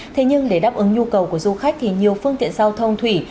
thế nhưng để đáp ứng nhu cầu của du khách thì nhiều phương tiện giao thông thủy